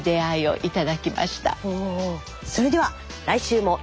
それでは来週も。